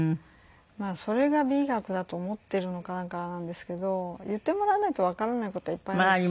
それが美学だと思ってるのかなんかなんですけど言ってもらわないとわからない事はいっぱいありますし。